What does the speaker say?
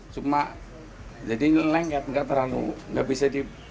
cuma jadi lengket tidak terlalu tidak bisa di